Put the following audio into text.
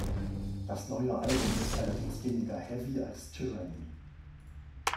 Das neue Album ist allerdings weniger „heavy“ als "Tyranny".